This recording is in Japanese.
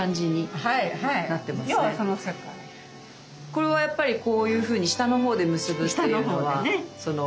これはやっぱりこういうふうに下のほうで結ぶっていうのはその。